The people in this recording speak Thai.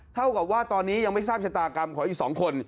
สามแพร่งนะฮะเท่ากับว่าตอนนี้ยังไม่ทราบชะตากรรมของอีกสองคน